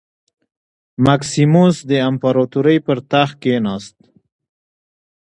مکسیموس د امپراتورۍ پر تخت کېناست